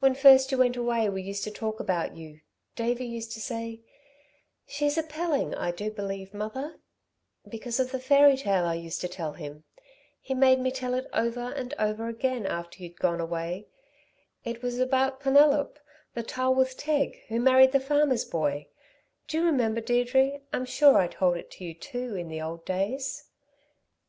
When first you went away we used to talk about you; Davey used to say: 'She's a Pelling, I do believe, mother' because of the fairy tale I used to tell him. He made me tell it over and over again after you'd gone away. It was about Penelop, the tylwyth teg, who married the farmer's boy. Do you remember, Deirdre? I'm sure I told it to you, too, in the old days."